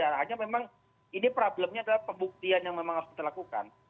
ada hanya memang ini problemnya adalah pembuktian yang memang harus dilakukan